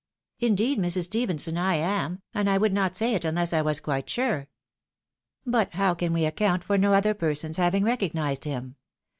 " Indeed Mrs. Stephenson, I am ; and I would not say it, unless I was quite sure." " But how can we account for no other persons having re cognised him